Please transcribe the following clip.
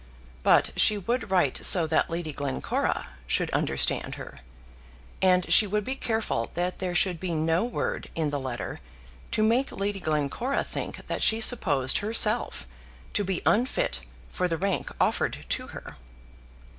But she would write so that Lady Glencora should understand her. And she would be careful that there should be no word in the letter to make Lady Glencora think that she supposed herself to be unfit for the rank offered to her.